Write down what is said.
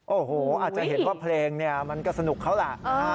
โอ้โหอาจจะเห็นว่าเพลงเนี่ยมันก็สนุกเขาล่ะ